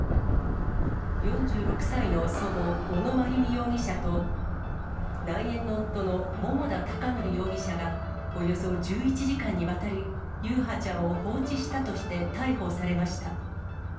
４６歳の祖母、小野真由美容疑者と、内縁の夫の桃田貴徳容疑者がおよそ１１時間にわたり、優陽ちゃんを放置したとして、逮捕されました。